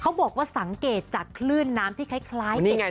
เขาบอกว่าสังเกตจากคลื่นน้ำที่คล้ายเก็บอย่างนั้น